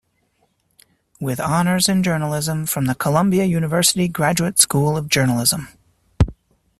with honors in journalism from the Columbia University Graduate School of Journalism.